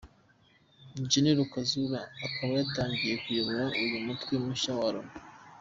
General Kazura akaba yatangiye kuyobora uyu mutwe mushya wa Loni.